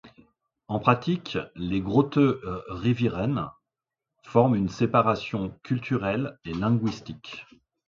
En pratique, les grote rivieren forment une séparation culturelle et linguistique.